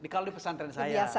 kalau di pesantren saya